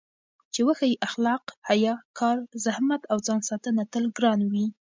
چې وښيي اخلاق، حیا، کار، زحمت او ځانساتنه تل ګران وي.